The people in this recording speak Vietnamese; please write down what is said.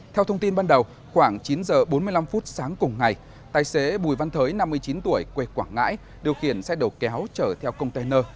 theo thông tin ban đầu khoảng chín h bốn mươi năm phút sáng cùng ngày tài xế bùi văn thới năm mươi chín tuổi quê quảng ngãi điều khiển xe đầu kéo chở theo container